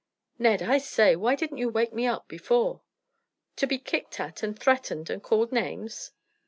"Ned! I say, why didn't you wake me up before?" "To be kicked at and threatened and called names?"